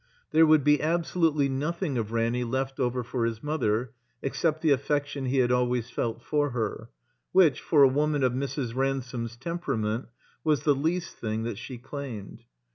There would be absolutely nothing of Ranny left over for his mother, except the affec tion he had always felt for her, which, for a woman of Mrs. Ransome's temperament, was the least thing that she claimed.